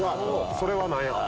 それは何やろ？